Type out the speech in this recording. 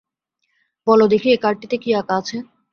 বল দেখি এই কার্ডটিতে কী আঁকা আছে?